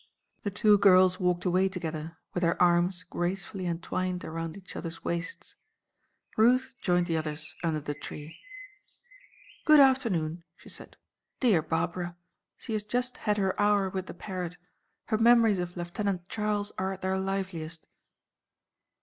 The two girls walked away together with their arms gracefully entwined around each other's waists. Ruth joined the others under the tree. "Good afternoon," she said, "Dear Barbara!—She has just had her hour with the parrot. Her memories of Lieutenant Charles are at their liveliest."